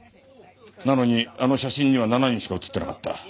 なのにあの写真には７人しか写ってなかった。